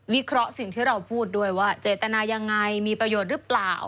เคราะห์สิ่งที่เราพูดด้วยว่าเจตนายังไงมีประโยชน์หรือเปล่า